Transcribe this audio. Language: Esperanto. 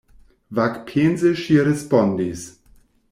Vagpense ŝi respondis: